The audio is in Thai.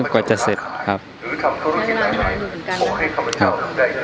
ก็จะเสร็จครับ